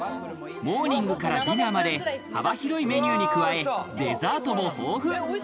モーニングからディナーまで幅広いメニューに加え、デザートも豊富。